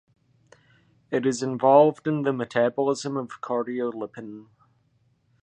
It is involved in the metabolism of cardiolipin.